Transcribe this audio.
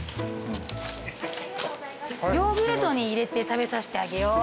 ヨーグルトに入れて食べさしてあげよう。